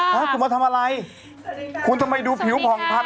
พี่หนุ่มคะต้องขยายนิดหนึ่งนะครับ